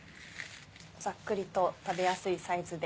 ざっくりと食べやすいサイズで。